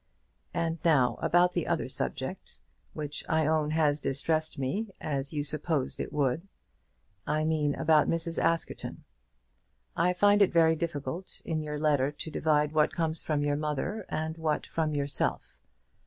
And now about the other subject, which I own has distressed me, as you supposed it would; I mean about Mrs. Askerton. I find it very difficult in your letter to divide what comes from your mother and what from yourself.